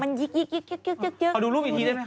มันยึกยึกยึกยึกยึกยึกเอาดูรูปอีกทีด้วย